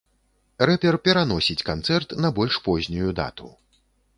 Рэпер пераносіць канцэрт на больш познюю дату.